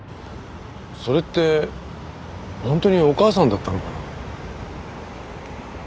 それって本当にお母さんだったのかな？